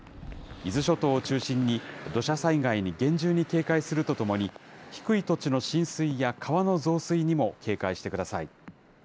伊豆諸島を中心に土砂災害に厳重に警戒するとともに、低い土地の浸水や川の増水にも警戒してください。